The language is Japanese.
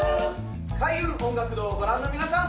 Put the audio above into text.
開運音楽堂をご覧の皆さん